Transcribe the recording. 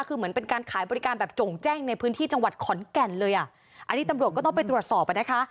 คือเหมือนเป็นการขายบริการแบบจงแจ้งในพื้นที่จังหวัดขอนแก่นเลยอ่ะอันนี้ตำรวจก็ต้องไปตรวจสอบอ่ะนะคะ